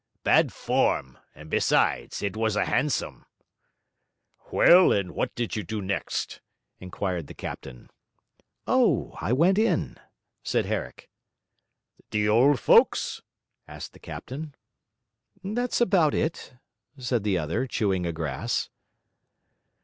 'Bad form. And besides, it was a hansom.' 'Well, and what did you do next?' inquired the captain. 'Oh, I went in,' said Herrick. 'The old folks?' asked the captain. 'That's about it,' said the other, chewing a grass.